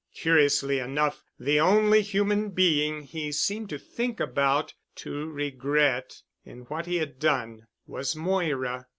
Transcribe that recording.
Curiously enough the only human being he seemed to think about, to regret, in what he had done, was Moira.